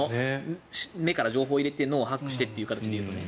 目から情報を入れて把握してという形でいうとね。